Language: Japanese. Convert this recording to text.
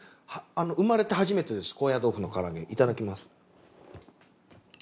生まれて初めてです高野豆腐の唐揚げいただきます。